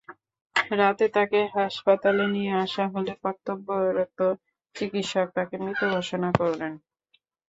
রাতে তাঁকে হাসপাতালে নিয়ে আসা হলে কর্তব্যরত চিকিৎসক তাঁকে মৃত ঘোষণা করেন।